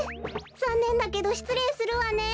ざんねんだけどしつれいするわね。